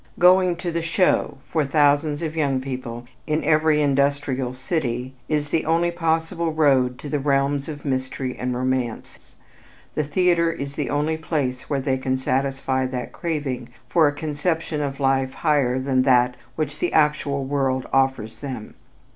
"Going to the show" for thousands of young people in every industrial city is the only possible road to the realms of mystery and romance; the theater is the only place where they can satisfy that craving for a conception of life higher than that which the actual world offers them.